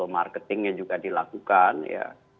marketingnya juga dilakukan ya